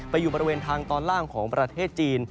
อยู่บริเวณทางตอนล่างของประเทศจีน